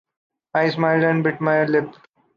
I smiled and bit my lip.